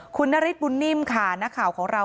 คุณนฤทธบุญนิ่มค่ะนักข่าวของเรา